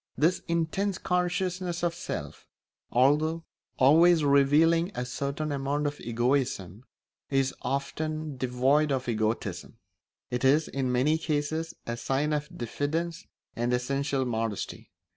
This intense consciousness of self, although always revealing a certain amount of egoism, is often devoid of egotism; it is, in many cases, a sign of diffidence and essential modesty.